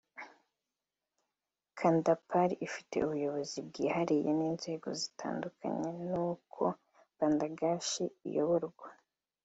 Kandapara ifite ubuyobozi bwihariye n’inzego zitandukanye n’uko Bangladesh iyoborwa